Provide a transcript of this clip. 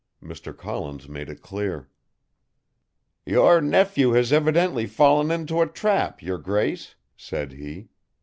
Mr. Collins made it clear. "Your nephew has evidently fallen into a trap, your Grace," said he.